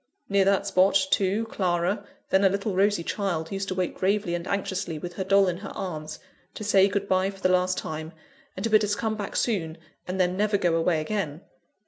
Near that spot, too, Clara then a little rosy child used to wait gravely and anxiously, with her doll in her arms, to say good bye for the last time, and to bid us come back soon, and then never go away again.